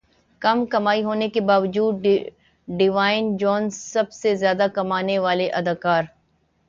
کم کمائی ہونے کے باوجود ڈیوائن جونسن سب سے زیادہ کمانے والے اداکار